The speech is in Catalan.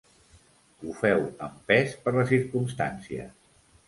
Ho feu empès per les circumstàncies.